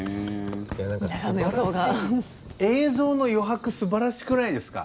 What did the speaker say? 映像の余白すばらしくないですか。